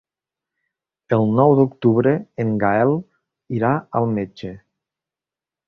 El nou d'octubre en Gaël irà al metge.